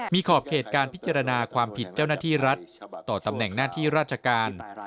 มีขอบเขตการพิจารณาความผิดเจ้าหน้าที่รัฐต่อตำแหน่งหน้าที่ราชการ